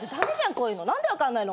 こういうの何で分かんないの？